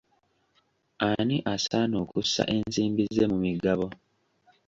Ani asaana okussa ensimbi ze mu migabo?